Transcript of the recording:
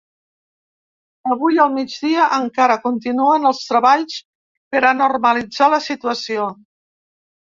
Avui al migdia encara continuen els treballs per a normalitzar la situació.